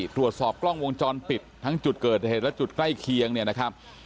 ตรวจสอบกล้องวงจรปิดทั้งจุดเกิดเหตุและจุดใกล้เคียงเนี่ยนะครับ